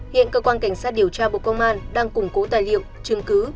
hiện cơ quan cảnh sát điều tra bộ công an đang củng cố tài liệu chứng cứ